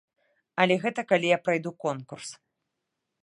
Але гэта калі я прайду конкурс.